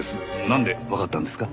なんでわかったんですか？